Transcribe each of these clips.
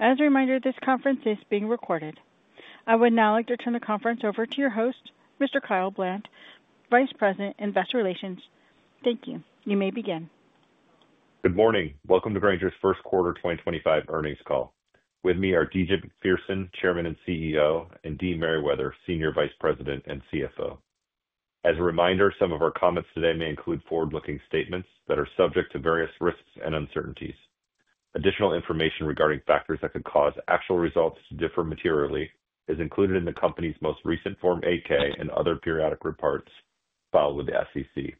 As a reminder, this conference is being recorded. I would now like to turn the conference over to your host, Mr. Kyle Bland, Vice President, Investor Relations. Thank you. You may begin. Good morning. Welcome to Grainger's First Quarter 2025 Earnings Call. With me are D.G. Macpherson, Chairman and CEO, and Dee Merriwether, Senior Vice President and CFO. As a reminder, some of our comments today may include forward-looking statements that are subject to various risks and uncertainties. Additional information regarding factors that could cause actual results to differ materially is included in the company's most recent Form 8-K and other periodic reports filed with the SEC.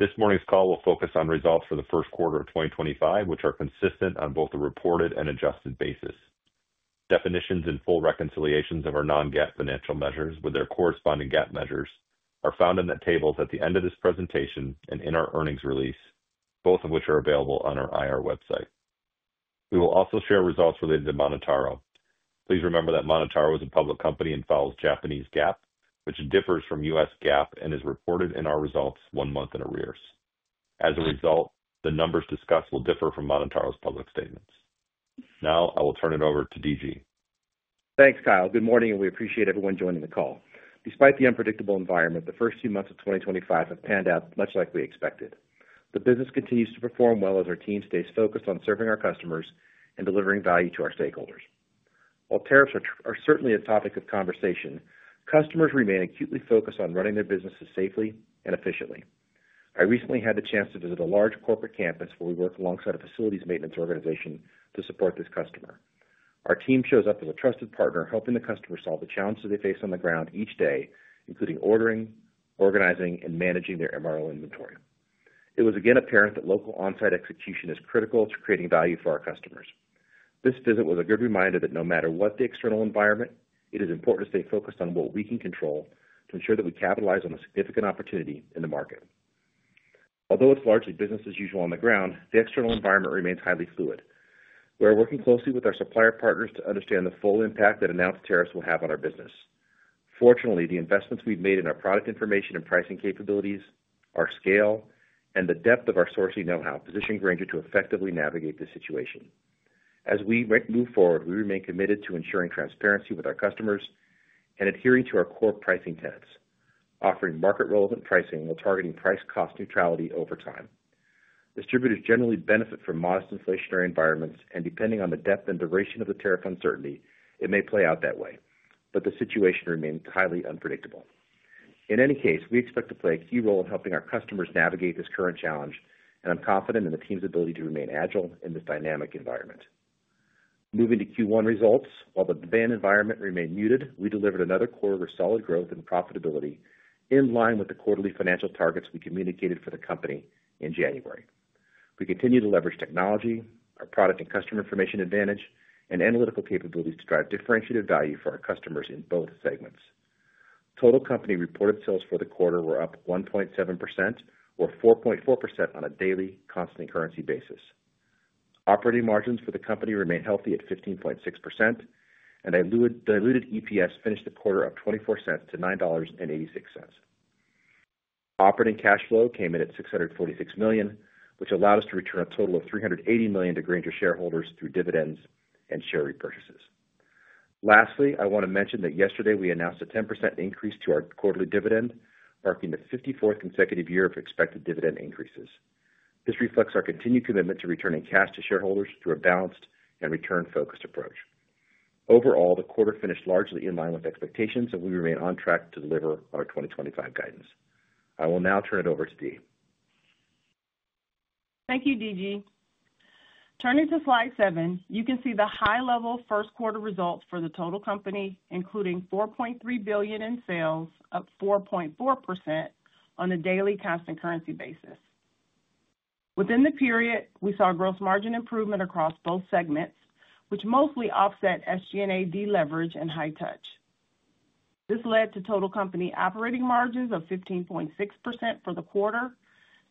This morning's call will focus on results for the first quarter of 2025, which are consistent on both a reported and adjusted basis. Definitions and full reconciliations of our non-GAAP financial measures with their corresponding GAAP measures are found in the tables at the end of this presentation and in our earnings release, both of which are available on our IR website. We will also share results related to MonotaRO. Please remember that MonotaRO is a public company and follows Japanese GAAP, which differs from U.S. GAAP and is reported in our results one month in arrears. As a result, the numbers discussed will differ from MonotaRO's public statements. Now, I will turn it over to D.G. Thanks, Kyle. Good morning, and we appreciate everyone joining the call. Despite the unpredictable environment, the first few months of 2025 have panned out much like we expected. The business continues to perform well as our team stays focused on serving our customers and delivering value to our stakeholders. While tariffs are certainly a topic of conversation, customers remain acutely focused on running their businesses safely and efficiently. I recently had the chance to visit a large corporate campus where we work alongside a facilities maintenance organization to support this customer. Our team shows up as a trusted partner, helping the customer solve the challenges they face on the ground each day, including ordering, organizing, and managing their MRO inventory. It was again apparent that local on-site execution is critical to creating value for our customers. This visit was a good reminder that no matter what the external environment, it is important to stay focused on what we can control to ensure that we capitalize on a significant opportunity in the market. Although it is largely business as usual on the ground, the external environment remains highly fluid. We are working closely with our supplier partners to understand the full impact that announced tariffs will have on our business. Fortunately, the investments we have made in our product information and pricing capabilities, our scale, and the depth of our sourcing know-how position Grainger to effectively navigate this situation. As we move forward, we remain committed to ensuring transparency with our customers and adhering to our core pricing tenets, offering market-relevant pricing while targeting price-cost neutrality over time. Distributors generally benefit from modest inflationary environments, and depending on the depth and duration of the tariff uncertainty, it may play out that way, but the situation remains highly unpredictable. In any case, we expect to play a key role in helping our customers navigate this current challenge, and I'm confident in the team's ability to remain agile in this dynamic environment. Moving to Q1 results, while the demand environment remained muted, we delivered another quarter of solid growth and profitability in line with the quarterly financial targets we communicated for the company in January. We continue to leverage technology, our product and customer information advantage, and analytical capabilities to drive differentiated value for our customers in both segments. Total company reported sales for the quarter were up 1.7%, or 4.4% on a daily constant currency basis. Operating margins for the company remain healthy at 15.6%, and a diluted EPS finished the quarter at $0.24-$9.86. Operating cash flow came in at $646 million, which allowed us to return a total of $380 million to Grainger shareholders through dividends and share repurchases. Lastly, I want to mention that yesterday we announced a 10% increase to our quarterly dividend, marking the 54th consecutive year of expected dividend increases. This reflects our continued commitment to returning cash to shareholders through a balanced and return-focused approach. Overall, the quarter finished largely in line with expectations, and we remain on track to deliver our 2025 guidance. I will now turn it over to Dee. Thank you, D.G. Turning to slide seven, you can see the high-level first quarter results for the total company, including $4.3 billion in sales, up 4.4% on a daily constant currency basis. Within the period, we saw gross margin improvement across both segments, which mostly offset SG&A deleverage in High-Touch. This led to total company operating margins of 15.6% for the quarter,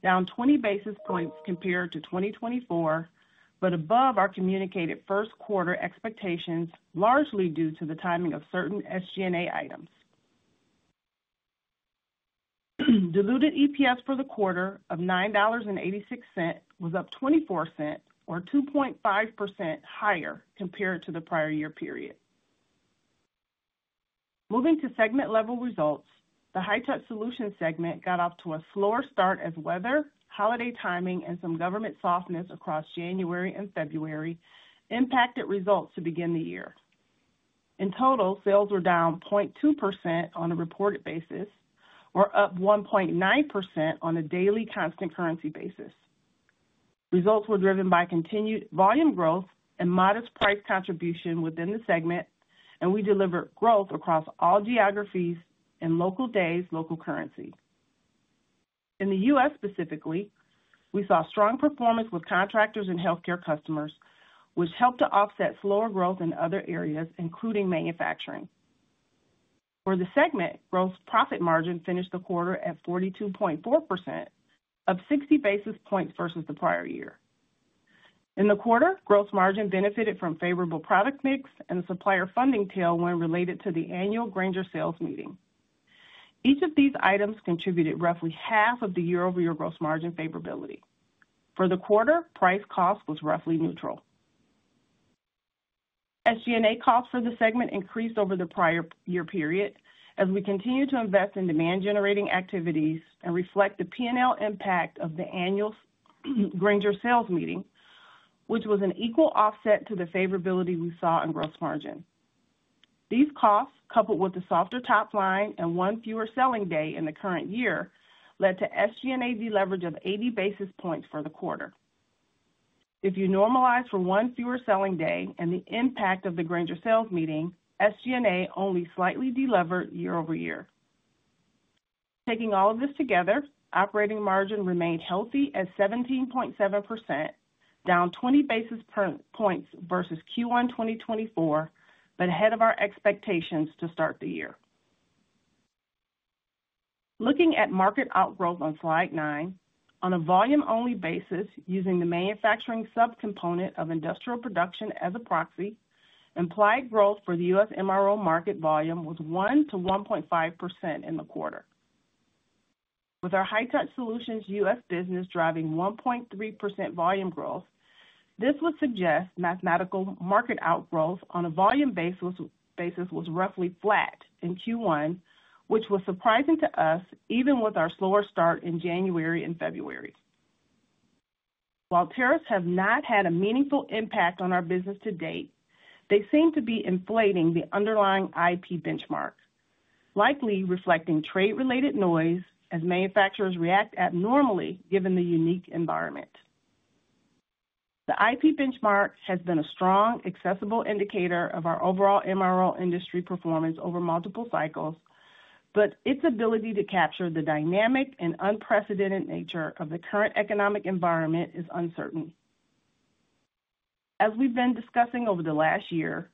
down 20 basis points compared to 2024, but above our communicated first quarter expectations, largely due to the timing of certain SG&A items. Diluted EPS for the quarter of $9.86 was up $0.24, or 2.5% higher compared to the prior year period. Moving to segment-level results, the High-Touch Solutions segment got off to a slower start as weather, holiday timing, and some government softness across January and February impacted results to begin the year. In total, sales were down 0.2% on a reported basis, or up 1.9% on a daily constant currency basis. Results were driven by continued volume growth and modest price contribution within the segment, and we delivered growth across all geographies in local days, local currency. In the U.S. specifically, we saw strong performance with contractors and healthcare customers, which helped to offset slower growth in other areas, including manufacturing. For the segment, gross profit margin finished the quarter at 42.4%, up 60 basis points versus the prior year. In the quarter, gross margin benefited from favorable product mix, and the supplier funding tailwind related to the annual Grainger sales meeting. Each of these items contributed roughly half of the year-over-year gross margin favorability. For the quarter, price-cost was roughly neutral. SG&A cost for the segment increased over the prior year period as we continue to invest in demand-generating activities and reflect the P&L impact of the annual Grainger sales meeting, which was an equal offset to the favorability we saw in gross margin. These costs, coupled with the softer top line and one fewer selling day in the current year, led to SG&A deleverage of 80 basis points for the quarter. If you normalize for one fewer selling day and the impact of the Grainger sales meeting, SG&A only slightly delevered year-over-year. Taking all of this together, operating margin remained healthy at 17.7%, down 20 basis points versus Q1 2024, but ahead of our expectations to start the year. Looking at market outgrowth on slide nine, on a volume-only basis, using the manufacturing subcomponent of industrial production as a proxy, implied growth for the U.S. MRO market volume was 1%-1.5% in the quarter. With our High-Touch Solutions U.S. business driving 1.3% volume growth, this would suggest mathematical market outgrowth on a volume basis was roughly flat in Q1, which was surprising to us, even with our slower start in January and February. While tariffs have not had a meaningful impact on our business to date, they seem to be inflating the underlying IP benchmark, likely reflecting trade-related noise as manufacturers react abnormally given the unique environment. The IP benchmark has been a strong, accessible indicator of our overall MRO industry performance over multiple cycles, but its ability to capture the dynamic and unprecedented nature of the current economic environment is uncertain. As we've been discussing over the last year,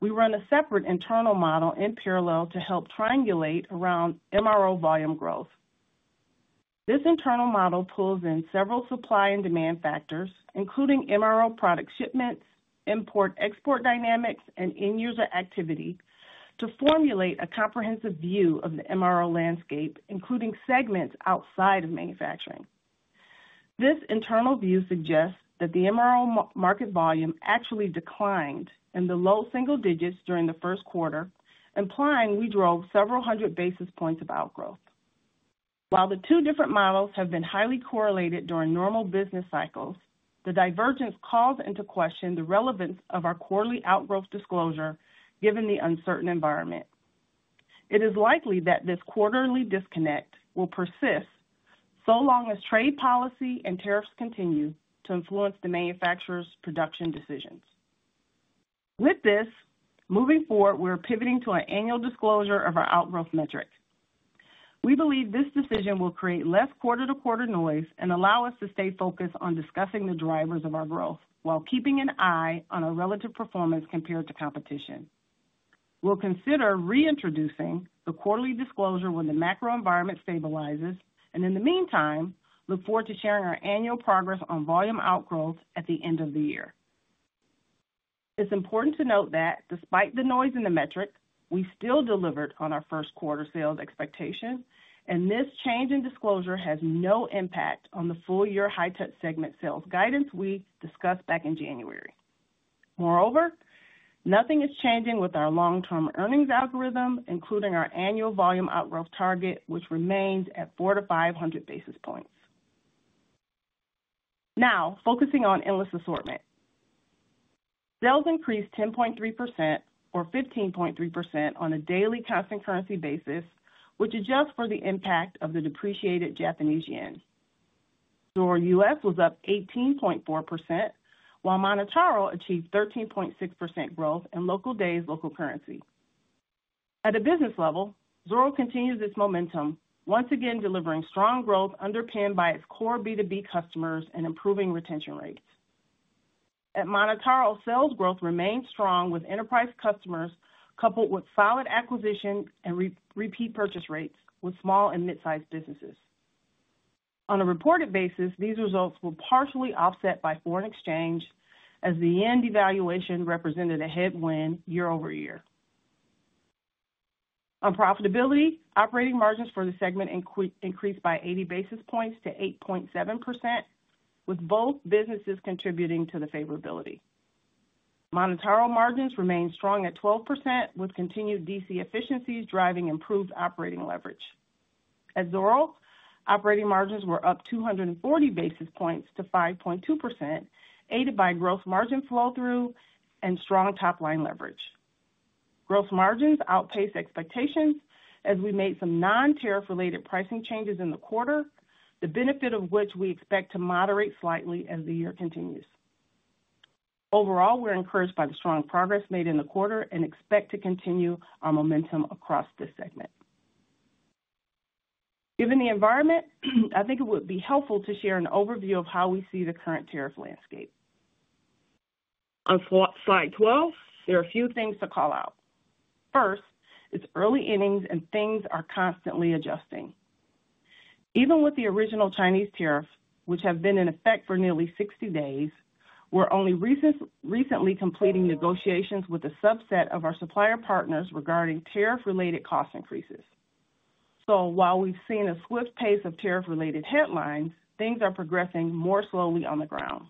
we run a separate internal model in parallel to help triangulate around MRO volume growth. This internal model pulls in several supply and demand factors, including MRO product shipments, import-export dynamics, and end-user activity, to formulate a comprehensive view of the MRO landscape, including segments outside of manufacturing. This internal view suggests that the MRO market volume actually declined in the low single digits during the first quarter, implying we drove several hundred basis points of outgrowth. While the two different models have been highly correlated during normal business cycles, the divergence calls into question the relevance of our quarterly outgrowth disclosure given the uncertain environment. It is likely that this quarterly disconnect will persist so long as trade policy and tariffs continue to influence the manufacturer's production decisions. With this, moving forward, we are pivoting to an annual disclosure of our outgrowth metric. We believe this decision will create less quarter-to-quarter noise and allow us to stay focused on discussing the drivers of our growth while keeping an eye on our relative performance compared to competition. We'll consider reintroducing the quarterly disclosure when the macro environment stabilizes, and in the meantime, look forward to sharing our annual progress on volume outgrowth at the end of the year. It's important to note that despite the noise in the metric, we still delivered on our first quarter sales expectations, and this change in disclosure has no impact on the full-year High-Touch segment sales guidance we discussed back in January. Moreover, nothing is changing with our long-term earnings algorithm, including our annual volume outgrowth target, which remains at 400-500 basis points. Now, focusing on Endless Assortment. Sales increased 10.3%, or 15.3% on a daily constant currency basis, which adjusts for the impact of the depreciated Japanese yen. Zoro U.S. was up 18.4%, while MonotaRO achieved 13.6% growth in local days, local currency. At a business level, Zoro continues its momentum, once again delivering strong growth underpinned by its core B2B customers and improving retention rates. At MonotaRO, sales growth remains strong with enterprise customers coupled with solid acquisition and repeat purchase rates with small and mid-sized businesses. On a reported basis, these results were partially offset by foreign exchange as the yen devaluation represented a headwind year-over-year. On profitability, operating margins for the segment increased by 80 basis points to 8.7%, with both businesses contributing to the favorability. MonotaRO margins remained strong at 12%, with continued DC efficiencies driving improved operating leverage. At Zoro, operating margins were up 240 basis points to 5.2%, aided by gross margin flow-through and strong top-line leverage. Gross margins outpaced expectations as we made some non-tariff-related pricing changes in the quarter, the benefit of which we expect to moderate slightly as the year continues. Overall, we're encouraged by the strong progress made in the quarter and expect to continue our momentum across this segment. Given the environment, I think it would be helpful to share an overview of how we see the current tariff landscape. On slide 12, there are a few things to call out. First, it's early innings and things are constantly adjusting. Even with the original Chinese tariffs, which have been in effect for nearly 60 days, we're only recently completing negotiations with a subset of our supplier partners regarding tariff-related cost increases. While we've seen a swift pace of tariff-related headlines, things are progressing more slowly on the ground.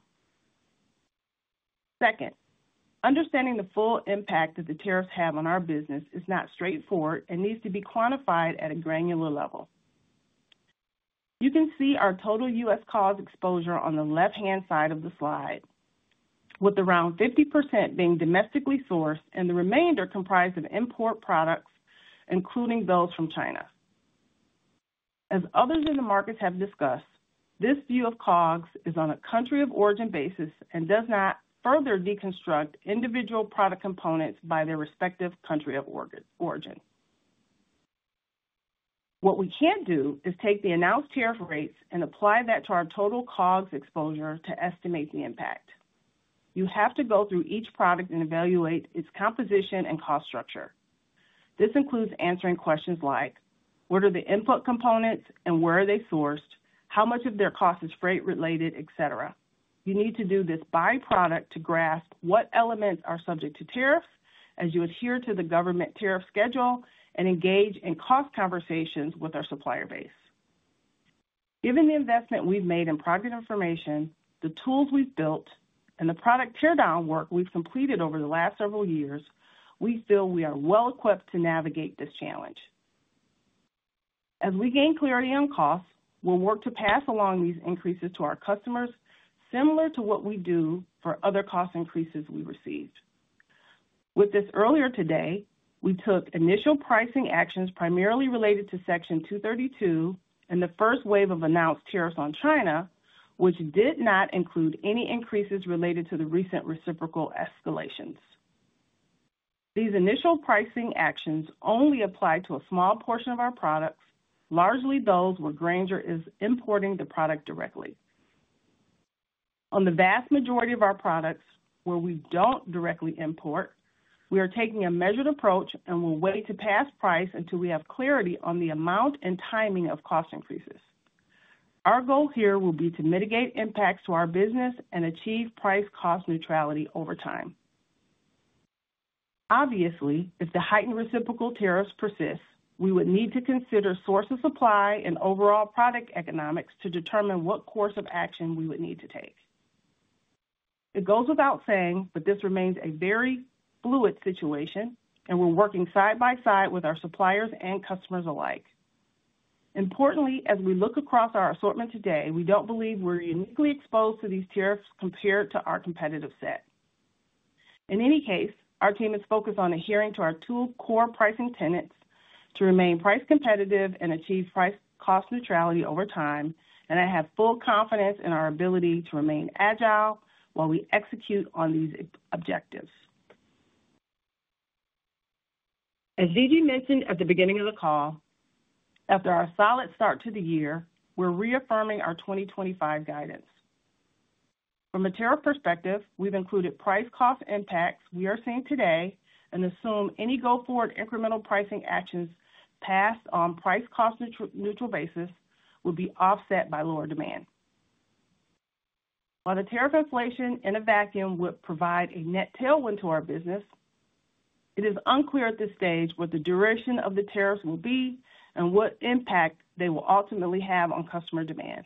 Second, understanding the full impact that the tariffs have on our business is not straightforward and needs to be quantified at a granular level. You can see our total U.S. COGS exposure on the left-hand side of the slide, with around 50% being domestically sourced and the remainder comprised of import products, including those from China. As others in the markets have discussed, this view of COGS is on a country-of-origin basis and does not further deconstruct individual product components by their respective country of origin. What we can do is take the announced tariff rates and apply that to our total COGS exposure to estimate the impact. You have to go through each product and evaluate its composition and cost structure. This includes answering questions like, what are the input components and where are they sourced, how much of their cost is freight-related, etc. You need to do this by product to grasp what elements are subject to tariff as you adhere to the government tariff schedule and engage in cost conversations with our supplier base. Given the investment we have made in product information, the tools we have built, and the product teardown work we have completed over the last several years, we feel we are well equipped to navigate this challenge. As we gain clarity on costs, we will work to pass along these increases to our customers, similar to what we do for other cost increases we received. With this, earlier today, we took initial pricing actions primarily related to Section 232 and the first wave of announced tariffs on China, which did not include any increases related to the recent reciprocal escalations. These initial pricing actions only apply to a small portion of our products, largely those where Grainger is importing the product directly. On the vast majority of our products, where we do not directly import, we are taking a measured approach and will wait to pass price until we have clarity on the amount and timing of cost increases. Our goal here will be to mitigate impacts to our business and achieve price-cost neutrality over time. Obviously, if the heightened reciprocal tariffs persist, we would need to consider source of supply and overall product economics to determine what course of action we would need to take. It goes without saying, but this remains a very fluid situation, and we are working side by side with our suppliers and customers alike. Importantly, as we look across our assortment today, we do not believe we are uniquely exposed to these tariffs compared to our competitive set. In any case, our team is focused on adhering to our two core pricing tenets to remain price competitive and achieve price-cost neutrality over time, and I have full confidence in our ability to remain agile while we execute on these objectives. As D.G. mentioned at the beginning of the call, after our solid start to the year, we're reaffirming our 2025 guidance. From a tariff perspective, we've included price-cost impacts we are seeing today and assume any go forward incremental pricing actions passed on a price-cost neutral basis would be offset by lower demand. While the tariff inflation in a vacuum would provide a net tailwind to our business, it is unclear at this stage what the duration of the tariffs will be and what impact they will ultimately have on customer demand.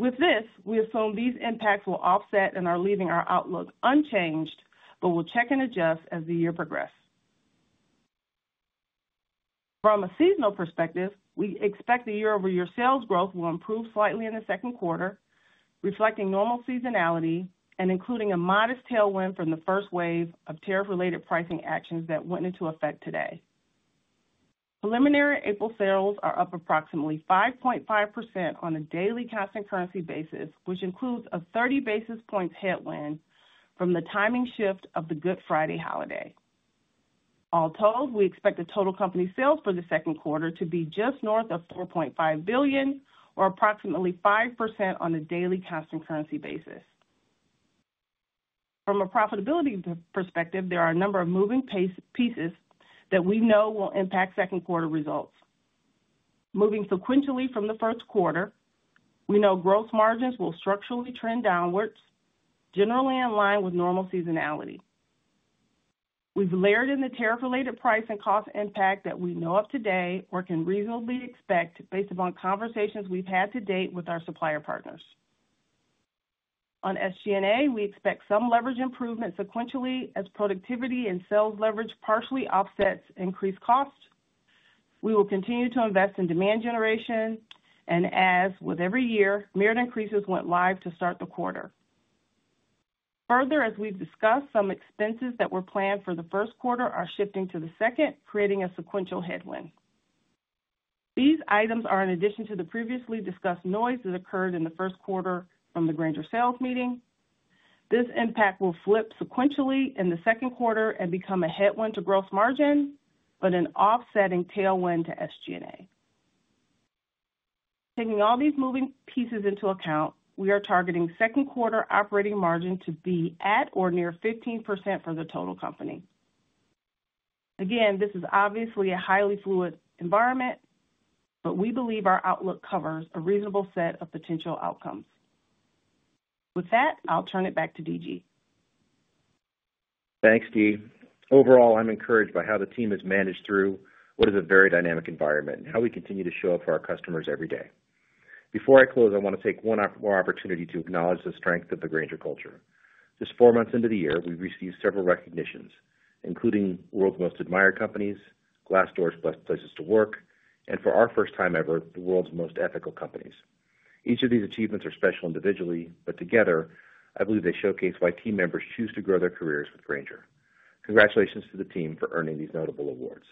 With this, we assume these impacts will offset and are leaving our outlook unchanged, but we'll check and adjust as the year progresses. From a seasonal perspective, we expect the year-over-year sales growth will improve slightly in the second quarter, reflecting normal seasonality and including a modest tailwind from the first wave of tariff-related pricing actions that went into effect today. Preliminary April sales are up approximately 5.5% on a daily constant currency basis, which includes a 30 basis points headwind from the timing shift of the Good Friday holiday. All told, we expect the total company sales for the second quarter to be just north of $4.5 billion, or approximately 5% on a daily constant currency basis. From a profitability perspective, there are a number of moving pieces that we know will impact second quarter results. Moving sequentially from the first quarter, we know gross margins will structurally trend downwards, generally in line with normal seasonality. We've layered in the tariff-related price and cost impact that we know of today or can reasonably expect based upon conversations we've had to date with our supplier partners. On SG&A, we expect some leverage improvement sequentially as productivity and sales leverage partially offsets increased costs. We will continue to invest in demand generation, and as with every year, merit increases went live to start the quarter. Further, as we've discussed, some expenses that were planned for the first quarter are shifting to the second, creating a sequential headwind. These items are in addition to the previously discussed noise that occurred in the first quarter from the Grainger sales meeting. This impact will flip sequentially in the second quarter and become a headwind to gross margin, but an offsetting tailwind to SG&A. Taking all these moving pieces into account, we are targeting second quarter operating margin to be at or near 15% for the total company. Again, this is obviously a highly fluid environment, but we believe our outlook covers a reasonable set of potential outcomes. With that, I'll turn it back to D.G. Thanks, Dee. Overall, I'm encouraged by how the team has managed through what is a very dynamic environment and how we continue to show up for our customers every day. Before I close, I want to take one more opportunity to acknowledge the strength of the Grainger culture. Just four months into the year, we've received several recognitions, including World's Most Admired Companies, Glassdoor's Best Places to Work, and for our first time ever, the World's Most Ethical Companies. Each of these achievements are special individually, but together, I believe they showcase why team members choose to grow their careers with Grainger. Congratulations to the team for earning these notable awards.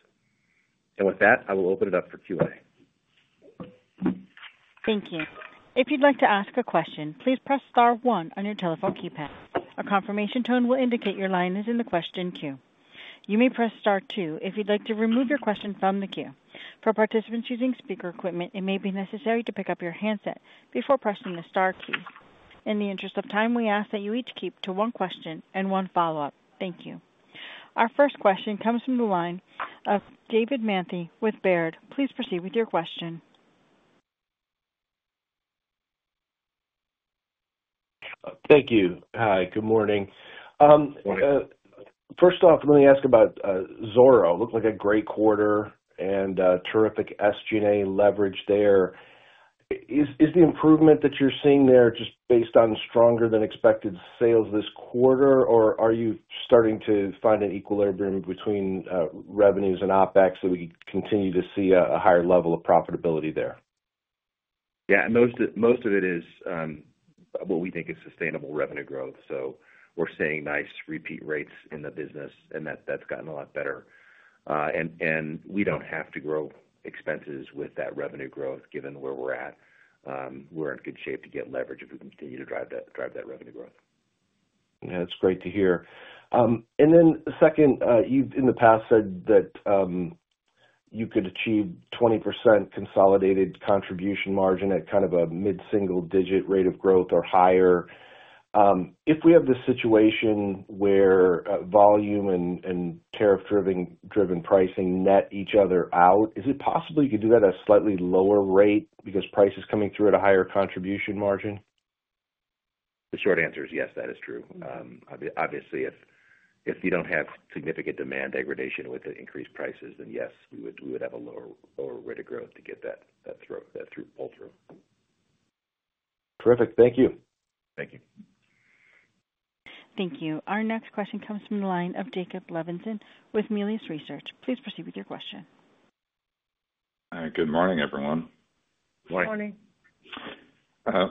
With that, I will open it up for Q&A. Thank you. If you'd like to ask a question, please press star one on your telephone keypad. A confirmation tone will indicate your line is in the question queue. You may press star two if you'd like to remove your question from the queue. For participants using speaker equipment, it may be necessary to pick up your handset before pressing the star key. In the interest of time, we ask that you each keep to one question and one follow-up. Thank you. Our first question comes from the line of David Manthey with Baird. Please proceed with your question. Thank you. Hi, good morning. Good morning. First off, let me ask about Zoro. It looked like a great quarter and terrific SG&A leverage there. Is the improvement that you're seeing there just based on stronger-than-expected sales this quarter, or are you starting to find an equilibrium between revenues and OpEx so we can continue to see a higher level of profitability there? Yeah, most of it is what we think is sustainable revenue growth. We're seeing nice repeat rates in the business, and that's gotten a lot better. We don't have to grow expenses with that revenue growth, given where we're at. We're in good shape to get leverage if we continue to drive that revenue growth. Yeah, that's great to hear. Then second, you've in the past said that you could achieve 20% consolidated contribution margin at kind of a mid-single-digit rate of growth or higher. If we have this situation where volume and tariff-driven pricing net each other out, is it possible you could do that at a slightly lower rate because price is coming through at a higher contribution margin? The short answer is yes, that is true. Obviously, if you don't have significant demand degradation with increased prices, then yes, we would have a lower rate of growth to get that through pull-through. Terrific. Thank you. Thank you. Thank you. Our next question comes from the line of Jacob Levinson with Melius Research. Please proceed with your question. Good morning, everyone. Good morning. Good morning.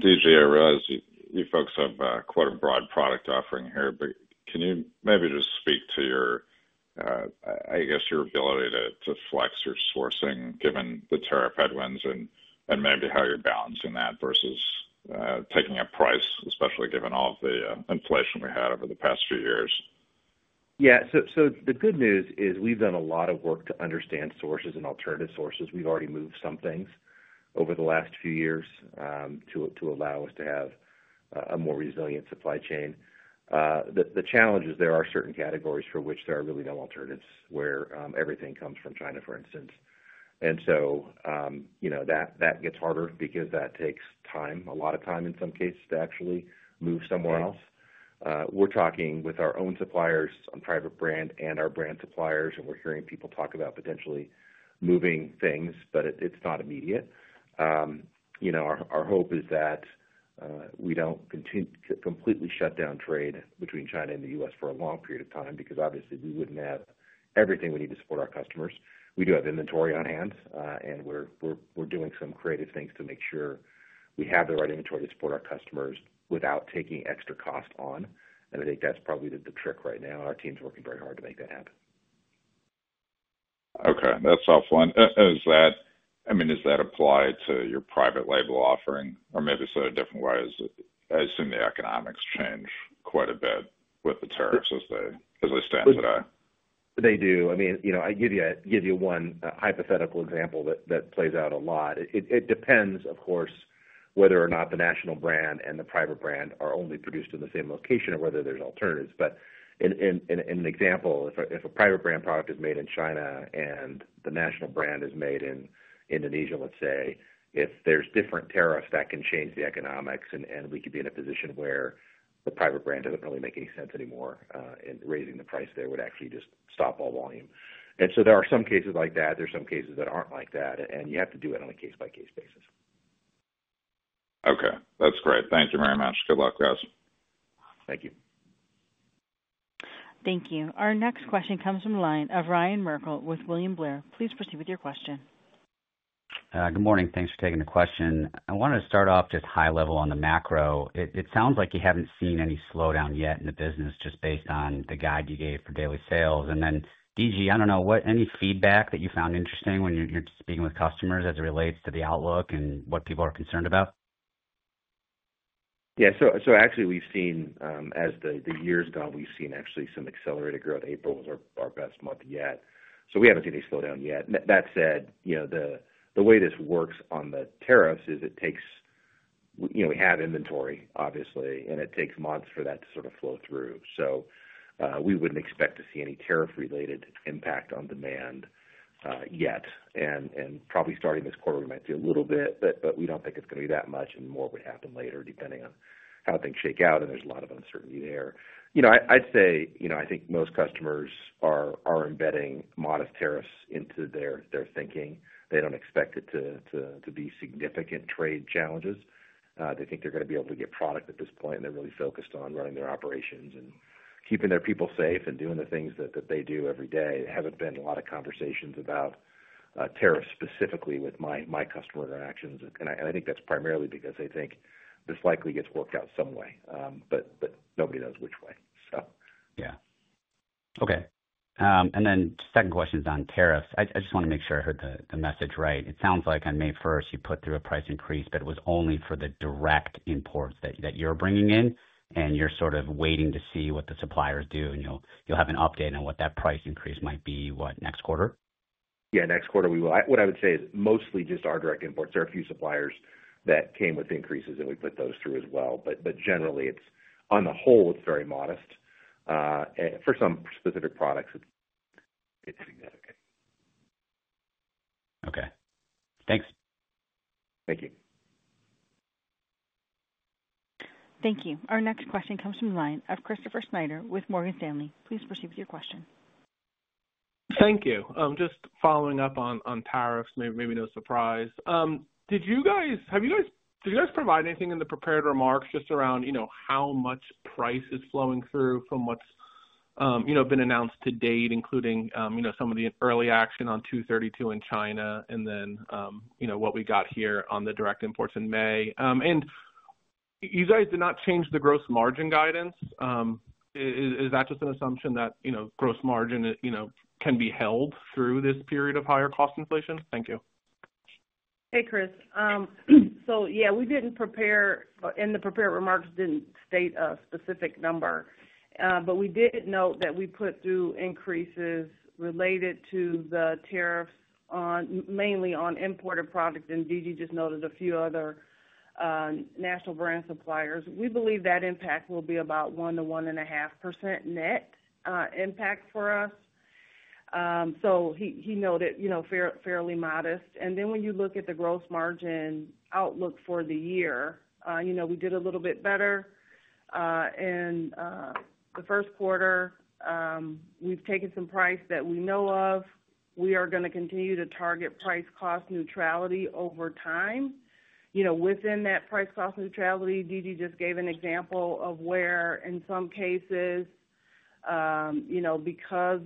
D.G., I realize you folks have quite a broad product offering here, but can you maybe just speak to your, I guess, your ability to flex your sourcing given the tariff headwinds and maybe how you're balancing that versus taking a price, especially given all of the inflation we had over the past few years? Yeah. The good news is we've done a lot of work to understand sources and alternative sources. We've already moved some things over the last few years to allow us to have a more resilient supply chain. The challenge is there are certain categories for which there are really no alternatives, where everything comes from China, for instance. That gets harder because that takes time, a lot of time in some cases, to actually move somewhere else. We're talking with our own suppliers on private brand and our brand suppliers, and we're hearing people talk about potentially moving things, but it's not immediate. Our hope is that we don't completely shut down trade between China and the U.S. for a long period of time because, obviously, we wouldn't have everything we need to support our customers. We do have inventory on hand, and we're doing some creative things to make sure we have the right inventory to support our customers without taking extra cost on. I think that's probably the trick right now. Our team's working very hard to make that happen. Okay. That's helpful. I mean, does that apply to your private label offering or maybe so in different ways? I assume the economics change quite a bit with the tariffs as they stand today. They do. I mean, I give you one hypothetical example that plays out a lot. It depends, of course, whether or not the national brand and the private brand are only produced in the same location or whether there are alternatives. In an example, if a private brand product is made in China and the national brand is made in Indonesia, let's say, if there are different tariffs, that can change the economics, and we could be in a position where the private brand does not really make any sense anymore in raising the price there, it would actually just stop all volume. There are some cases like that. There are some cases that are not like that, and you have to do it on a case-by-case basis. Okay. That's great. Thank you very much. Good luck, guys. Thank you. Thank you. Our next question comes from the line of Ryan Merkel with William Blair. Please proceed with your question. Good morning. Thanks for taking the question. I wanted to start off just high level on the macro. It sounds like you haven't seen any slowdown yet in the business just based on the guide you gave for daily sales. D.G., I don't know, any feedback that you found interesting when you're speaking with customers as it relates to the outlook and what people are concerned about? Yeah. Actually, as the year's gone, we've seen actually some accelerated growth. April was our best month yet. We haven't seen any slowdown yet. That said, the way this works on the tariffs is it takes, we have inventory, obviously, and it takes months for that to sort of flow through. We would not expect to see any tariff-related impact on demand yet. Probably starting this quarter, we might see a little bit, but we do not think it is going to be that much, and more would happen later depending on how things shake out. There is a lot of uncertainty there. I would say I think most customers are embedding modest tariffs into their thinking. They do not expect it to be significant trade challenges. They think they are going to be able to get product at this point, and they are really focused on running their operations and keeping their people safe and doing the things that they do every day. There have not been a lot of conversations about tariffs specifically with my customer interactions. I think that is primarily because they think this likely gets worked out some way, but nobody knows which way. Yeah. Okay. Then second question is on tariffs. I just want to make sure I heard the message right. It sounds like on May 1st, you put through a price increase, but it was only for the direct imports that you're bringing in, and you're sort of waiting to see what the suppliers do, and you'll have an update on what that price increase might be next quarter? Yeah, next quarter we will. What I would say is mostly just our direct imports. There are a few suppliers that came with increases, and we put those through as well. Generally, on the whole, it's very modest. For some specific products, it's significant. Okay. Thanks. Thank you. Thank you. Our next question comes from the line of Christopher Snyder with Morgan Stanley. Please proceed with your question. Thank you. Just following up on tariffs, maybe no surprise. Did you guys provide anything in the prepared remarks just around how much price is flowing through from what's been announced to date, including some of the early action on 232 in China and then what we got here on the direct imports in May? You guys did not change the gross margin guidance. Is that just an assumption that gross margin can be held through this period of higher cost inflation? Thank you. Hey, Chris. Yeah, we didn't prepare, and the prepared remarks didn't state a specific number, but we did note that we put through increases related to the tariffs mainly on imported products, and D.G. just noted a few other national brand suppliers. We believe that impact will be about 1%-1.5% net impact for us. He noted fairly modest. When you look at the gross margin outlook for the year, we did a little bit better in the first quarter. We have taken some price that we know of. We are going to continue to target price-cost neutrality over time. Within that price-cost neutrality, D.G. just gave an example of where in some cases, because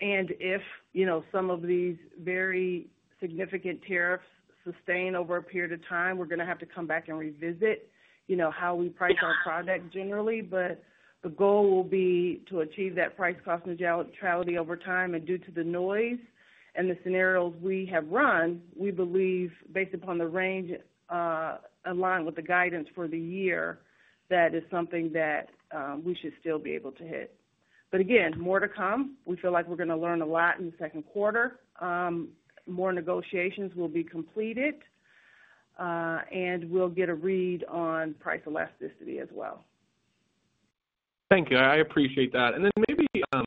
and if some of these very significant tariffs sustain over a period of time, we are going to have to come back and revisit how we price our product generally. The goal will be to achieve that price-cost neutrality over time. Due to the noise and the scenarios we have run, we believe, based upon the range aligned with the guidance for the year, that is something that we should still be able to hit. Again, more to come. We feel like we're going to learn a lot in the second quarter. More negotiations will be completed, and we'll get a read on price elasticity as well. Thank you. I appreciate that. Maybe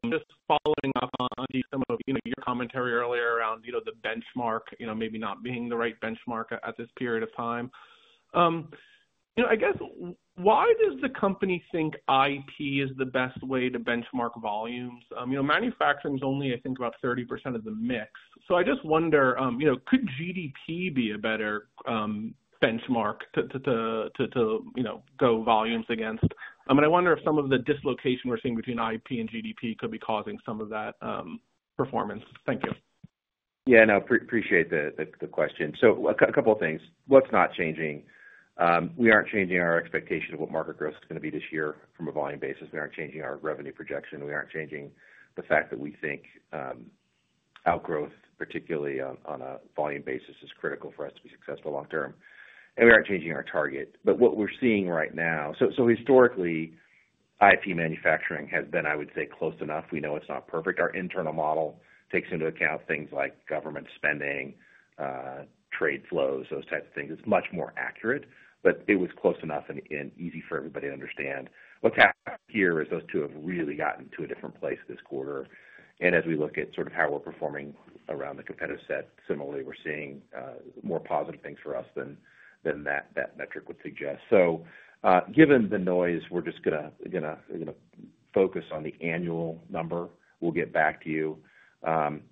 just following up on some of your commentary earlier around the benchmark, maybe not being the right benchmark at this period of time, I guess, why does the company think IP is the best way to benchmark volumes? Manufacturing is only, I think, about 30% of the mix. I just wonder, could GDP be a better benchmark to go volumes against? I mean, I wonder if some of the dislocation we're seeing between IP and GDP could be causing some of that performance. Thank you. Yeah, no, appreciate the question. A couple of things. What's not changing? We aren't changing our expectation of what market growth is going to be this year from a volume basis. We aren't changing our revenue projection. We aren't changing the fact that we think outgrowth, particularly on a volume basis, is critical for us to be successful long-term. We aren't changing our target. What we're seeing right now, historically, IP manufacturing has been, I would say, close enough. We know it's not perfect. Our internal model takes into account things like government spending, trade flows, those types of things. It's much more accurate, but it was close enough and easy for everybody to understand. What's happened here is those two have really gotten to a different place this quarter. As we look at sort of how we're performing around the competitive set, similarly, we're seeing more positive things for us than that metric would suggest. Given the noise, we're just going to focus on the annual number. We'll get back to you.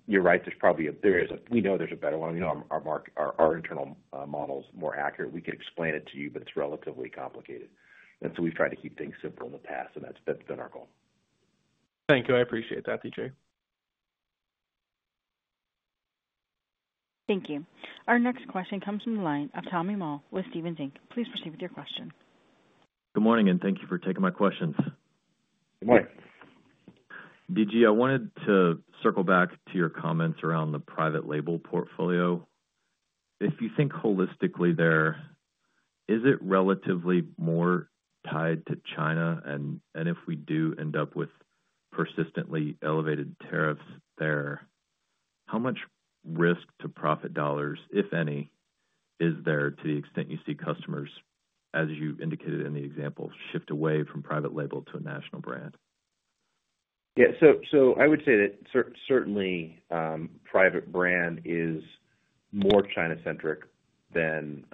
You're right. There's probably a—we know there's a better one. We know our internal model is more accurate. We could explain it to you, but it's relatively complicated. We have tried to keep things simple in the past, and that's been our goal. Thank you. I appreciate that, D.G. Thank you. Our next question comes from the line of Tommy Moll with Stephens Inc. Please proceed with your question. Good morning, and thank you for taking my questions. Good morning. D.G., I wanted to circle back to your comments around the private label portfolio. If you think holistically there, is it relatively more tied to China? If we do end up with persistently elevated tariffs there, how much risk to profit dollars, if any, is there to the extent you see customers, as you indicated in the example, shift away from private label to a national brand? Yeah. I would say that certainly private brand is more China-centric than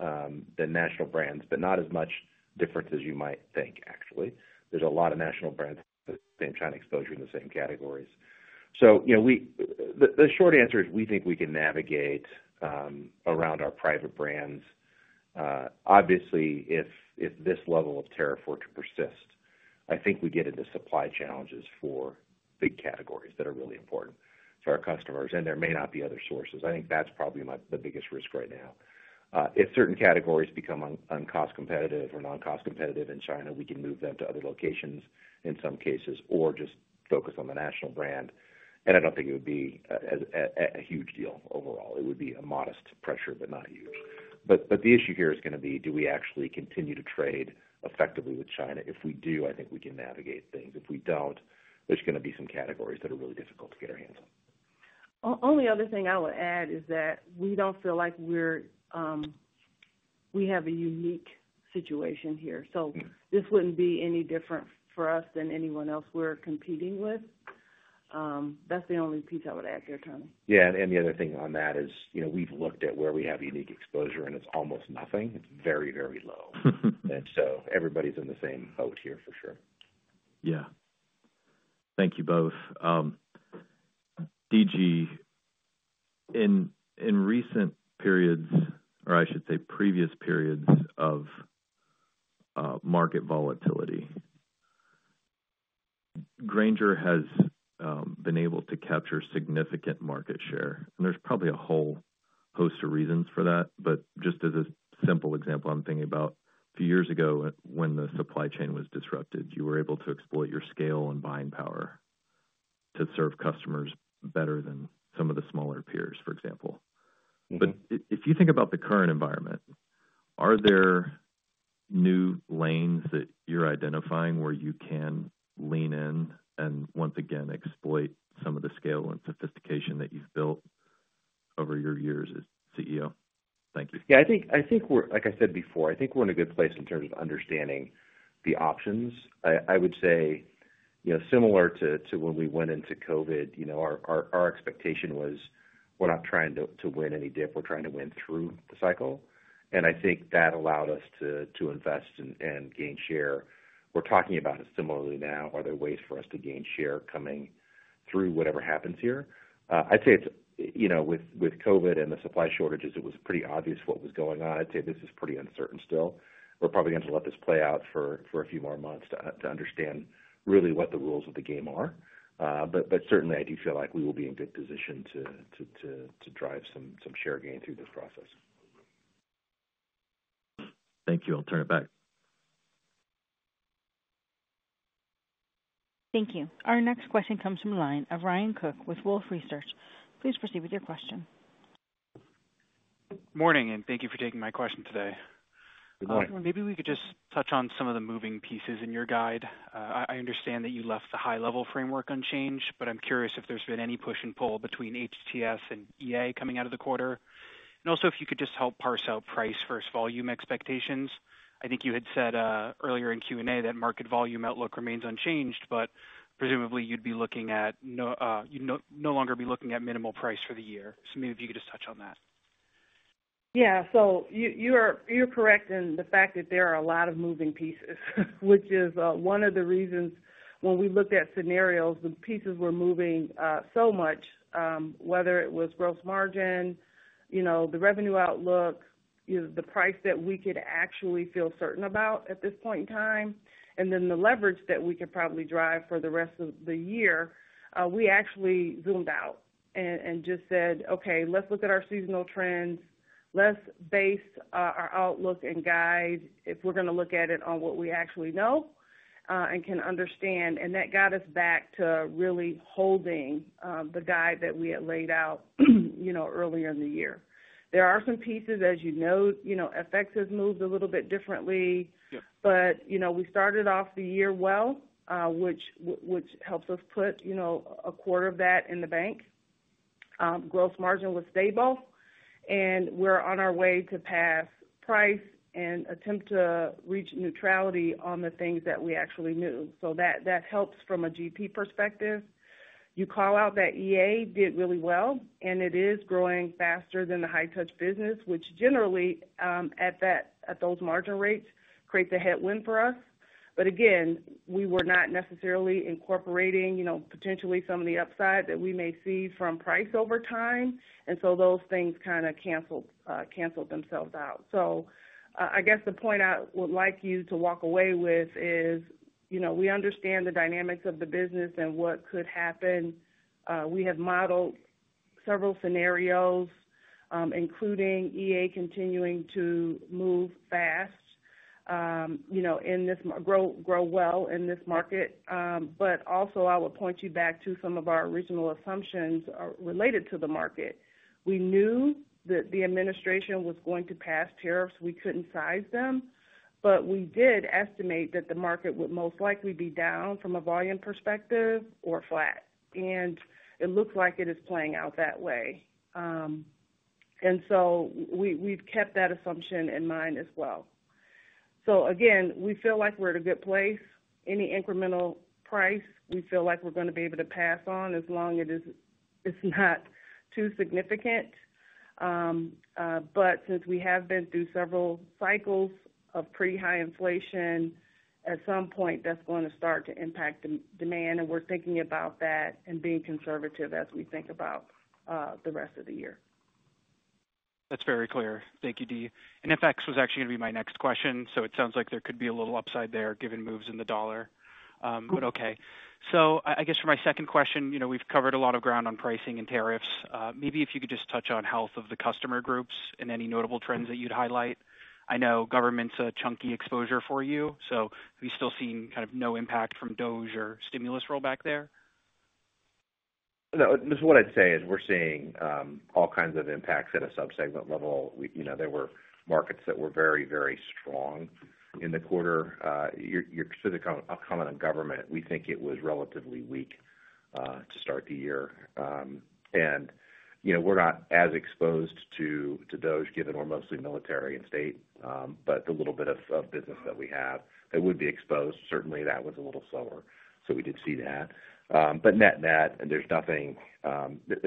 national brands, but not as much difference as you might think, actually. There are a lot of national brands with the same China exposure in the same categories. The short answer is we think we can navigate around our private brands. Obviously, if this level of tariff were to persist, I think we get into supply challenges for big categories that are really important to our customers, and there may not be other sources. I think that is probably the biggest risk right now. If certain categories become uncost competitive or non-cost competitive in China, we can move them to other locations in some cases or just focus on the national brand. I don't think it would be a huge deal overall. It would be a modest pressure, not huge. The issue here is going to be, do we actually continue to trade effectively with China? If we do, I think we can navigate things. If we don't, there's going to be some categories that are really difficult to get our hands on. Only other thing I would add is that we don't feel like we have a unique situation here. This wouldn't be any different for us than anyone else we're competing with. That's the only piece I would add there, Tommy. Yeah. The other thing on that is we've looked at where we have unique exposure, and it's almost nothing. It's very, very low. Everybody's in the same boat here for sure. Thank you both. D.G., in recent periods, or I should say previous periods of market volatility, Grainger has been able to capture significant market share. There's probably a whole host of reasons for that. Just as a simple example, I'm thinking about a few years ago when the supply chain was disrupted. You were able to exploit your scale and buying power to serve customers better than some of the smaller peers, for example. If you think about the current environment, are there new lanes that you're identifying where you can lean in and, once again, exploit some of the scale and sophistication that you've built over your years as CEO? Thank you. Yeah. I think we're, like I said before, I think we're in a good place in terms of understanding the options. I would say similar to when we went into COVID, our expectation was we're not trying to win any dip. We're trying to win through the cycle. I think that allowed us to invest and gain share. We're talking about it similarly now. Are there ways for us to gain share coming through whatever happens here? I'd say with COVID and the supply shortages, it was pretty obvious what was going on. I'd say this is pretty uncertain still. We're probably going to let this play out for a few more months to understand really what the rules of the game are. Certainly, I do feel like we will be in a good position to drive some share gain through this process. Thank you. I'll turn it back. Thank you. Our next question comes from the line of Ryan Cooke with Wolfe Research. Please proceed with your question. Good morning, and thank you for taking my question today. Good morning. Maybe we could just touch on some of the moving pieces in your guide. I understand that you left the high-level framework unchanged, but I'm curious if there's been any push and pull between HTS and E.A. coming out of the quarter. Also, if you could just help parse out price versus volume expectations. I think you had said earlier in Q&A that market volume outlook remains unchanged, but presumably you'd no longer be looking at minimal price for the year. Maybe if you could just touch on that. Yeah. You're correct in the fact that there are a lot of moving pieces, which is one of the reasons when we looked at scenarios, the pieces were moving so much, whether it was gross margin, the revenue outlook, the price that we could actually feel certain about at this point in time, and then the leverage that we could probably drive for the rest of the year. We actually zoomed out and just said, "Okay, let's look at our seasonal trends. Let's base our outlook and guide if we're going to look at it on what we actually know and can understand." That got us back to really holding the guide that we had laid out earlier in the year. There are some pieces, as you know, FX has moved a little bit differently, but we started off the year well, which helps us put a quarter of that in the bank. Gross margin was stable, and we're on our way to pass price and attempt to reach neutrality on the things that we actually knew. That helps from a GP perspective. You call out that E.A. did really well, and it is growing faster than the high-touch business, which generally, at those margin rates, creates a headwind for us. Again, we were not necessarily incorporating potentially some of the upside that we may see from price over time. Those things kind of canceled themselves out. I guess the point I would like you to walk away with is we understand the dynamics of the business and what could happen. We have modeled several scenarios, including E.A. continuing to move fast and grow well in this market. I would point you back to some of our original assumptions related to the market. We knew that the administration was going to pass tariffs. We could not size them, but we did estimate that the market would most likely be down from a volume perspective or flat. It looks like it is playing out that way. We have kept that assumption in mind as well. We feel like we are at a good place. Any incremental price, we feel like we are going to be able to pass on as long as it is not too significant. Since we have been through several cycles of pretty high inflation, at some point, that is going to start to impact demand. We are thinking about that and being conservative as we think about the rest of the year. That is very clear. Thank you, Dee. FX was actually going to be my next question. It sounds like there could be a little upside there given moves in the dollar. Okay. For my second question, we have covered a lot of ground on pricing and tariffs. Maybe if you could just touch on health of the customer groups and any notable trends that you would highlight. I know government is a chunky exposure for you. Have you still seen kind of no impact from DOGE or stimulus rollback there? No. This is what I would say: we are seeing all kinds of impacts at a subsegment level. There were markets that were very, very strong in the quarter. You are specifically commenting on government. We think it was relatively weak to start the year. We are not as exposed to DOGE, given we are mostly military and state, but the little bit of business that we have that would be exposed, certainly that was a little slower. We did see that. Net-net, there is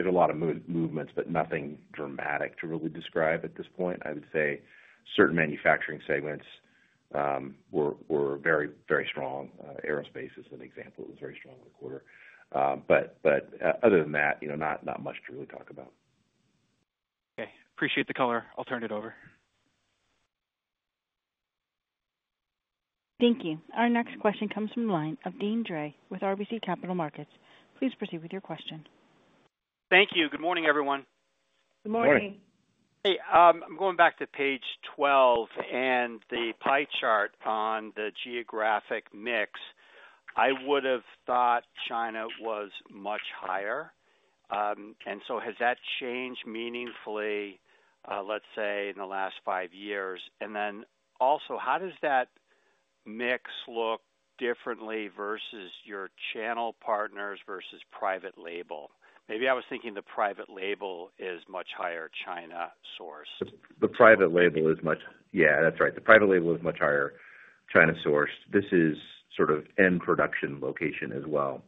a lot of movement, but nothing dramatic to really describe at this point. I would say certain manufacturing segments were very, very strong. Aerospace is an example. It was very strong in the quarter. Other than that, not much to really talk about. Okay. Appreciate the color. I will turn it over. Thank you. Our next question comes from the line of Deane Dray with RBC Capital Markets. Please proceed with your question. Thank you. Good morning, everyone. Good morning. Hey. I am going back to page 12 and the pie chart on the geographic mix. I would have thought China was much higher. Has that changed meaningfully, let's say, in the last five years? Also, how does that mix look differently versus your channel partners versus private label? Maybe I was thinking the private label is much higher China source. The private label is much—yeah, that's right. The private label is much higher China sourced. This is sort of end production location as well.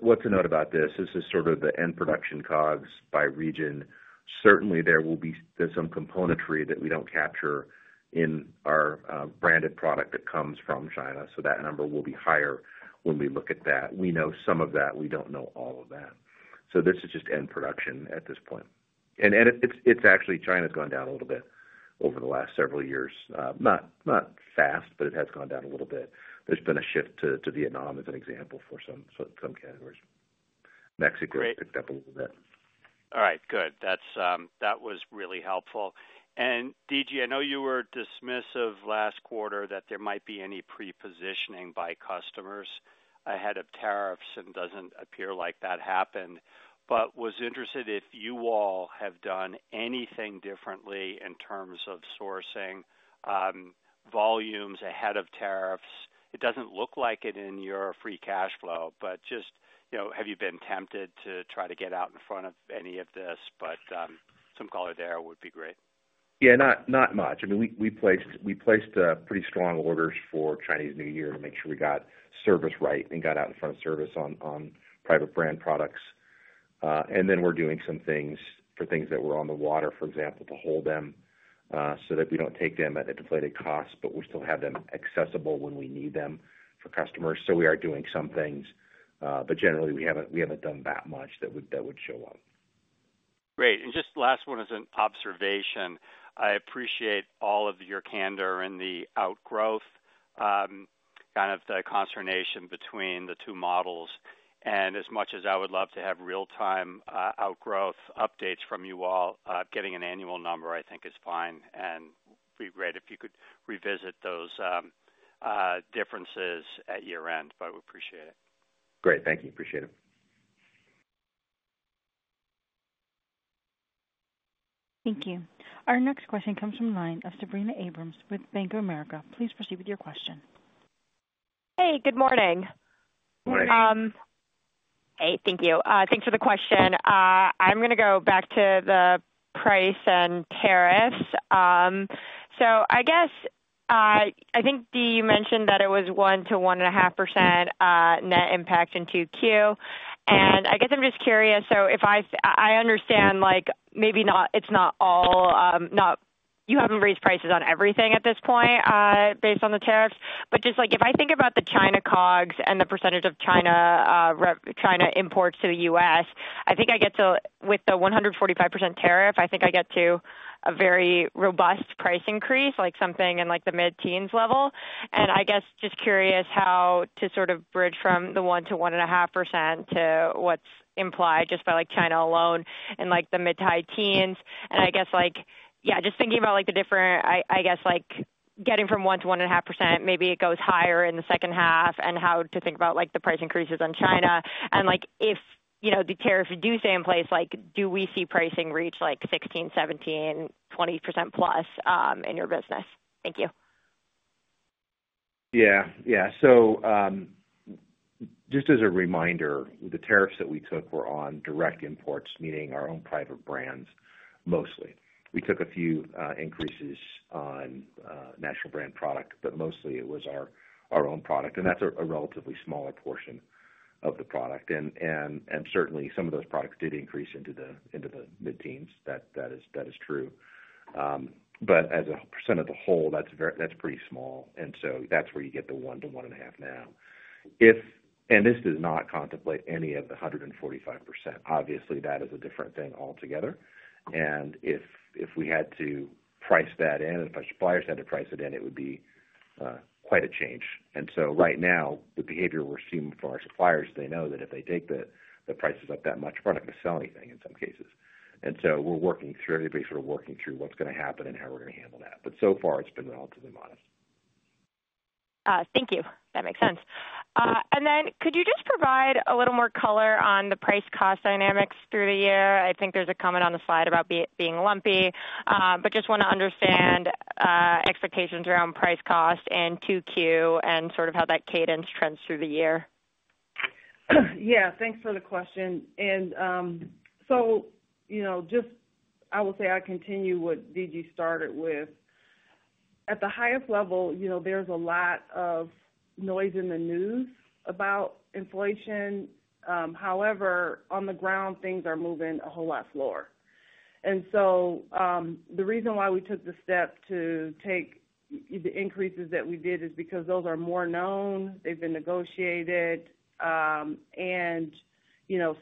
What's the note about this? This is sort of the end production COGS by region. Certainly, there will be some componentry that we don't capture in our branded product that comes from China. That number will be higher when we look at that. We know some of that. We don't know all of that. This is just end production at this point. It's actually China's gone down a little bit over the last several years. Not fast, but it has gone down a little bit. There's been a shift to Vietnam as an example for some categories. Mexico's picked up a little bit. All right. Good. That was really helpful. D.G., I know you were dismissive last quarter that there might be any pre-positioning by customers ahead of tariffs, and it doesn't appear like that happened. Was interested if you all have done anything differently in terms of sourcing volumes ahead of tariffs. It doesn't look like it in your free cash flow, but just have you been tempted to try to get out in front of any of this? Some color there would be great. Yeah. Not much. I mean, we placed pretty strong orders for Chinese New Year to make sure we got service right and got out in front of service on private brand products. We are doing some things for things that were on the water, for example, to hold them so that we do not take them at a deflated cost, but we still have them accessible when we need them for customers. We are doing some things. Generally, we have not done that much that would show up. Great. Just last one as an observation. I appreciate all of your candor in the outgrowth, kind of the consternation between the two models. As much as I would love to have real-time outgrowth updates from you all, getting an annual number I think is fine. It would be great if you could revisit those differences at year-end, but we appreciate it. Great. Thank you. Appreciate it. Thank you. Our next question comes from the line of Sabrina Abrams with Bank of America Merrill Lynch. Please proceed with your question. Hey. Good morning. Good morning. Hey. Thank you. Thanks for the question. I'm going to go back to the price and tariffs. I guess I think, Dee, you mentioned that it was 1%-1.5% net impact in Q2. I guess I'm just curious. I understand maybe it's not all—you haven't raised prices on everything at this point based on the tariffs. Just if I think about the China COGS and the percentage of China imports to the U.S., I think with the 145% tariff, I think I get to a very robust price increase, something in the mid-teens level. I guess just curious how to sort of bridge from the 1%-1.5% to what is implied just by China alone in the mid-to-high teens. I guess, yeah, just thinking about the different, I guess, getting from 1%-1.5%, maybe it goes higher in the second half, and how to think about the price increases on China. If the tariffs do stay in place, do we see pricing reach 16%, 17%, 20% plus in your business? Thank you. Yeah. Yeah. Just as a reminder, the tariffs that we took were on direct imports, meaning our own private brands mostly. We took a few increases on national brand product, but mostly it was our own product. That is a relatively smaller portion of the product. Certainly, some of those products did increase into the mid-teens. That is true. As a percent of the whole, that's pretty small. That is where you get the 1-1.5% now. This does not contemplate any of the 145%. Obviously, that is a different thing altogether. If we had to price that in, if our suppliers had to price it in, it would be quite a change. Right now, the behavior we are seeing from our suppliers is they know that if they take the prices up that much, we are not going to sell anything in some cases. We are working through—everybody is sort of working through what is going to happen and how we are going to handle that. So far, it has been relatively modest. Thank you. That makes sense. Could you just provide a little more color on the price-cost dynamics through the year? I think there's a comment on the slide about being lumpy, but just want to understand expectations around price cost in Q2 and sort of how that cadence trends through the year. Yeah. Thanks for the question. I will say I'll continue what D.G. started with. At the highest level, there's a lot of noise in the news about inflation. However, on the ground, things are moving a whole lot slower. The reason why we took the step to take the increases that we did is because those are more known. They've been negotiated.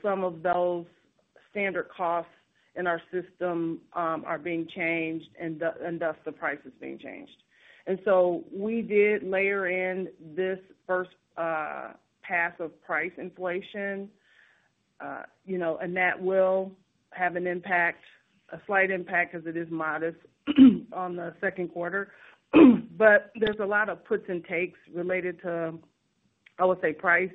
Some of those standard costs in our system are being changed, and thus the price is being changed. We did layer in this first pass of price inflation. That will have an impact, a slight impact because it is modest on the second quarter. There is a lot of puts and takes related to, I would say, price,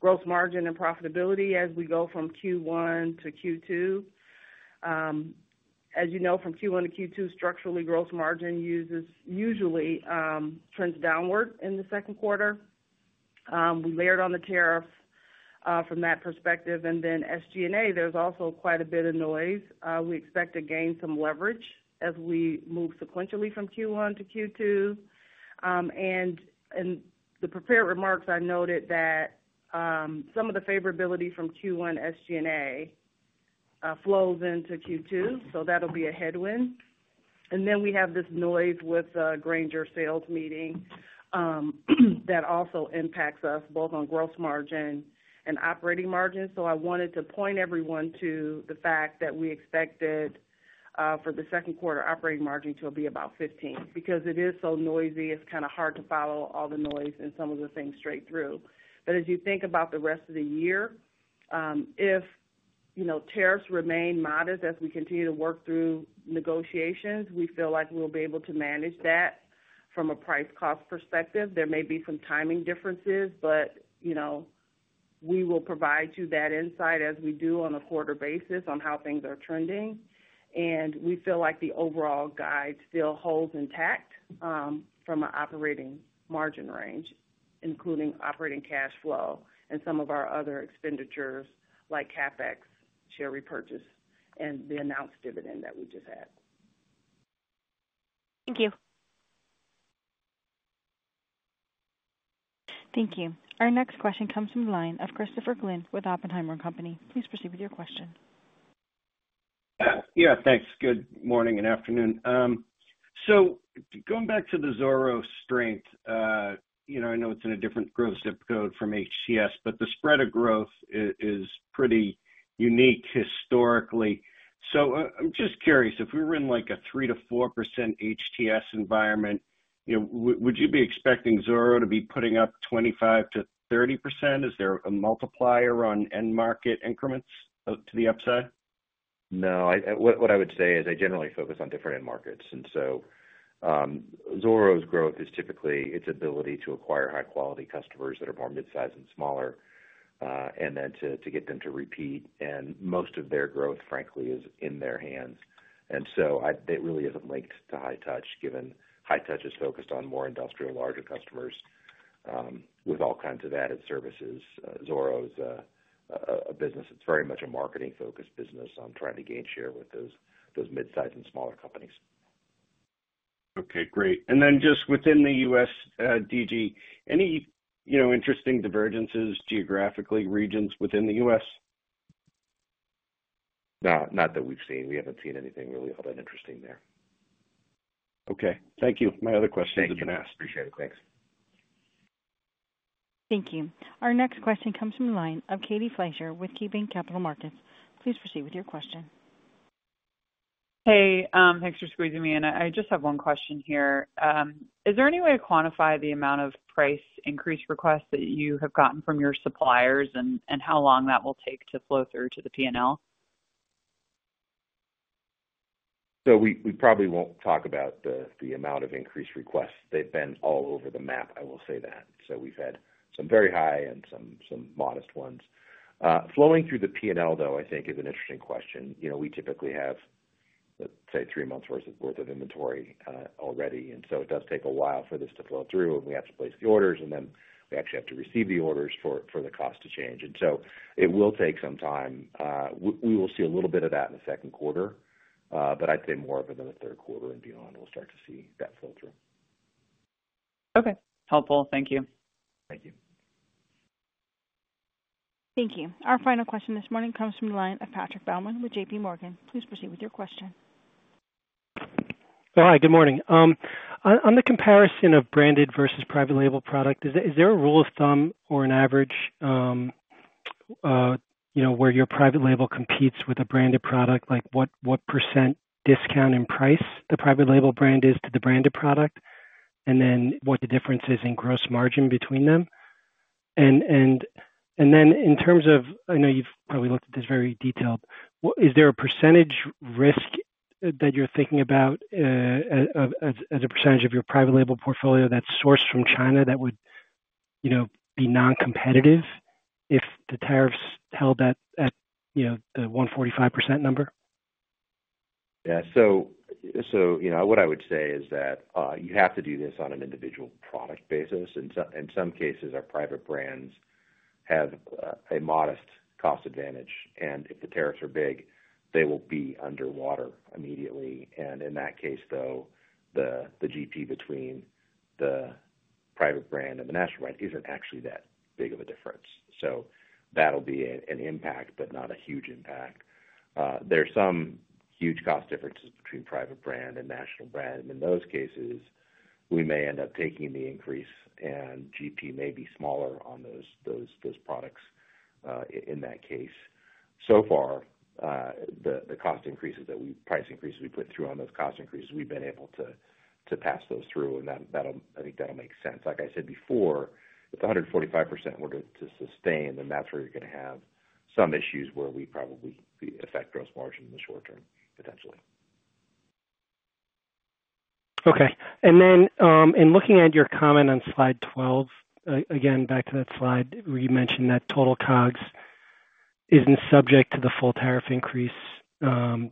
gross margin, and profitability as we go from Q1 to Q2. As you know, from Q1 to Q2, structurally, gross margin usually trends downward in the second quarter. We layered on the tariffs from that perspective. SG&A, there is also quite a bit of noise. We expect to gain some leverage as we move sequentially from Q1 to Q2. In the prepared remarks, I noted that some of the favorability from Q1 SG&A flows into Q2. That will be a headwind. We have this noise with the Grainger sales meeting that also impacts us both on gross margin and operating margin. I wanted to point everyone to the fact that we expected for the second quarter operating margin to be about 15% because it is so noisy. It's kind of hard to follow all the noise and some of the things straight through. As you think about the rest of the year, if tariffs remain modest as we continue to work through negotiations, we feel like we'll be able to manage that from a price-cost perspective. There may be some timing differences, but we will provide you that insight as we do on a quarter basis on how things are trending. We feel like the overall guide still holds intact from an operating margin range, including operating cash flow and some of our other expenditures like CapEx, share repurchase, and the announced dividend that we just had. Thank you. Thank you. Our next question comes from the line of Christopher Glynn with Oppenheimer & Co. Please proceed with your question. Yeah. Thanks. Good morning and afternoon. Going back to the Zoro strength, I know it's in a different growth zip code from HTS, but the spread of growth is pretty unique historically. I'm just curious. If we were in a 3%-4% HTS environment, would you be expecting Zoro to be putting up 25%-30%? Is there a multiplier on end market increments to the upside? No. What I would say is they generally focus on different end markets. Zoro's growth is typically its ability to acquire high-quality customers that are more mid-size and smaller and then to get them to repeat. Most of their growth, frankly, is in their hands. It really isn't linked to High-Touch given High-Touch is focused on more industrial, larger customers with all kinds of added services. Zoro's a business that's very much a marketing-focused business on trying to gain share with those mid-size and smaller companies. Okay. Great. And then just within the U.S., D.G., any interesting divergences geographically, regions within the U.S.? Not that we've seen. We haven't seen anything really interesting there. Okay. Thank you. My other questions have been asked. Thank you. Appreciate it. Thanks. Thank you. Our next question comes from the line of Katie Fleischer with KeyBanc Capital Markets. Please proceed with your question. Hey. Thanks for squeezing me in. I just have one question here. Is there any way to quantify the amount of price increase requests that you have gotten from your suppliers and how long that will take to flow through to the P&L? We probably won't talk about the amount of increase requests. They've been all over the map, I will say that. We've had some very high and some modest ones. Flowing through the P&L, though, I think is an interesting question. We typically have, let's say, three months' worth of inventory already. It does take a while for this to flow through. We have to place the orders, and then we actually have to receive the orders for the cost to change. It will take some time. We will see a little bit of that in the second quarter, but I'd say more of it in the third quarter and beyond. We'll start to see that flow through. Okay. Helpful. Thank you. Thank you. Thank you. Our final question this morning comes from the line of Patrick Baumann with J.P. Morgan. Please proceed with your question. Hi. Good morning. On the comparison of branded versus private label product, is there a rule of thumb or an average where your private label competes with a branded product? What % discount in price the private label brand is to the branded product? What the difference is in gross margin between them? In terms of—I know you've probably looked at this very detailed—is there a % risk that you're thinking about as a % of your private label portfolio that's sourced from China that would be non-competitive if the tariffs held at the 145% number? Yeah. What I would say is that you have to do this on an individual product basis. In some cases, our private brands have a modest cost advantage. If the tariffs are big, they will be underwater immediately. In that case, though, the GP between the private brand and the national brand is not actually that big of a difference. That will be an impact, but not a huge impact. There are some huge cost differences between private brand and national brand. In those cases, we may end up taking the increase, and GP may be smaller on those products in that case. So far, the cost increases that we—price increases we put through on those cost increases, we have been able to pass those through. I think that will make sense. Like I said before, if the 145% were to sustain, that is where you are going to have some issues where we probably affect gross margin in the short term, potentially. Okay. In looking at your comment on slide 12, again, back to that slide where you mentioned that total COGS is not subject to the full tariff increase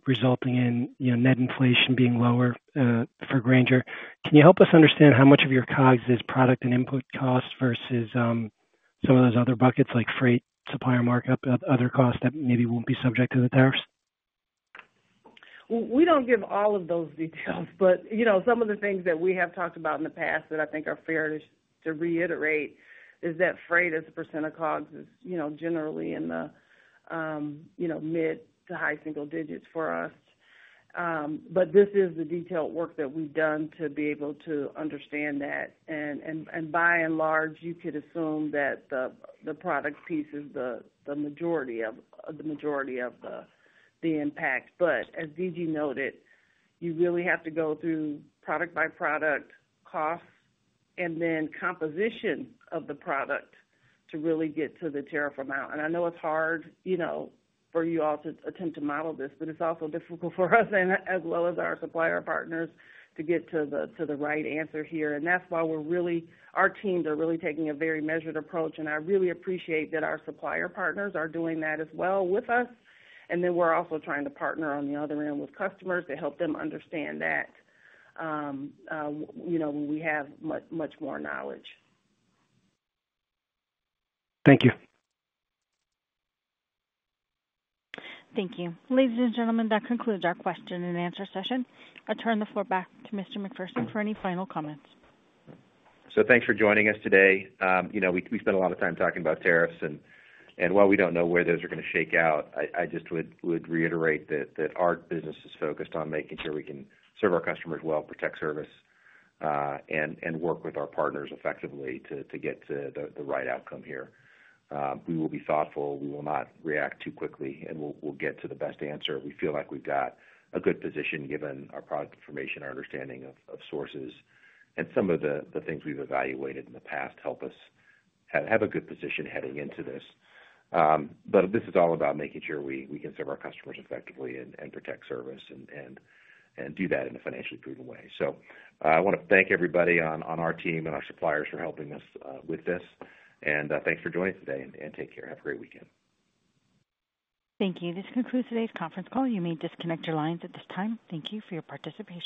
resulting in net inflation being lower for Grainger, can you help us understand how much of your COGS is product and input cost versus some of those other buckets like freight, supplier markup, other costs that maybe will not be subject to the tariffs? We do not give all of those details. Some of the things that we have talked about in the past that I think are fair to reiterate is that freight as a percent of COGS is generally in the mid to high single digits for us. This is the detailed work that we have done to be able to understand that. By and large, you could assume that the product piece is the majority of the impact. As D.G. noted, you really have to go through product by product, cost, and then composition of the product to really get to the tariff amount. I know it's hard for you all to attempt to model this, but it's also difficult for us as well as our supplier partners to get to the right answer here. That's why our teams are really taking a very measured approach. I really appreciate that our supplier partners are doing that as well with us. We are also trying to partner on the other end with customers to help them understand that when we have much more knowledge. Thank you. Thank you. Ladies and gentlemen, that concludes our question and answer session. I'll turn the floor back to Mr. Macpherson for any final comments. Thanks for joining us today. We spent a lot of time talking about tariffs. While we do not know where those are going to shake out, I just would reiterate that our business is focused on making sure we can serve our customers well, protect service, and work with our partners effectively to get to the right outcome here. We will be thoughtful. We will not react too quickly. We will get to the best answer. We feel like we have got a good position given our product information, our understanding of sources, and some of the things we have evaluated in the past help us have a good position heading into this. This is all about making sure we can serve our customers effectively and protect service and do that in a financially proven way. I want to thank everybody on our team and our suppliers for helping us with this. Thanks for joining us today. Take care. Have a great weekend. Thank you. This concludes today's conference call. You may disconnect your lines at this time. Thank you for your participation.